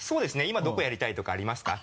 今どこやりたいとかありますか？